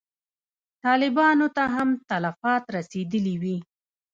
طالبانو ته هم تلفات رسېدلي وي.